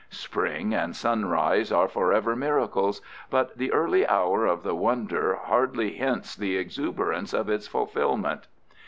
Spring and sunrise are forever miracles, but the early hour of the wonder hardly hints the exuberance of its fulfillment.